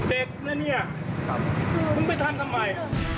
แตกน่ะนี่คุณไปทำทำไม